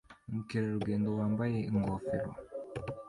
Umukerarugendo wambaye ingofero